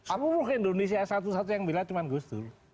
apapun indonesia satu satu yang bilang cuman kusutur